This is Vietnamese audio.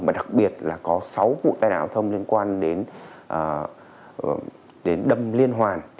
và đặc biệt là có sáu vụ tai nạn thông liên quan đến đâm liên hoàn